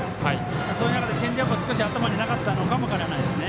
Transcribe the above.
そういう中でチェンジアップが頭になかったのかも分からないですね。